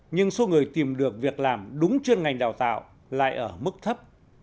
nhưng số người tìm được việc làm đúng chuyên ngành đào tạo lại ở mức thấp